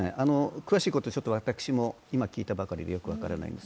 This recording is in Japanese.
詳しいことは私も今、聞いたばかりでよく分からないです。